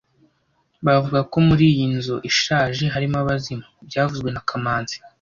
Bavuga ko muri iyi nzu ishaje harimo abazimu byavuzwe na kamanzi